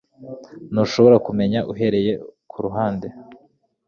ntushobora kumenya uhereye kuruhande